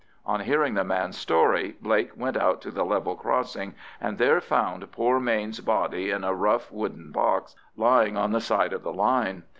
On hearing the man's story, Blake went out to the level crossing and there found poor Mayne's body in a rough wooden box, lying on the side of the line.